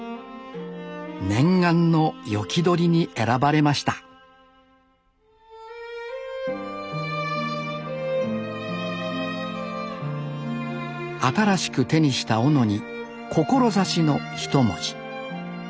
念願の斧取りに選ばれました新しく手にした斧に「志」の一文字。